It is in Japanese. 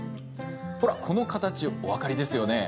ほら、この形お分かりですよね？